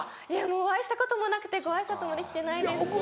お会いしたこともなくてご挨拶もできてないですし。